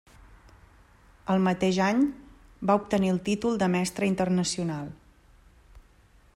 El mateix any va obtenir el títol de Mestre Internacional.